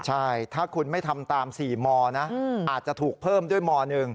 ใช่ถ้าคุณไม่ทำตาม๔มนะอาจจะถูกเพิ่มด้วยม๑